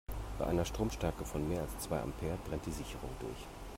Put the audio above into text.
Bei einer Stromstärke von mehr als zwei Ampere brennt die Sicherung durch.